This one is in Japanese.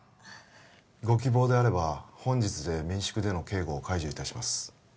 ご希望であれば本日で民宿での警護を解除いたします